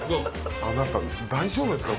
あなた大丈夫ですか？